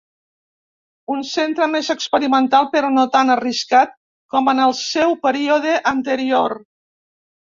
Un centre més experimental però no tan arriscat com en el seu període anterior.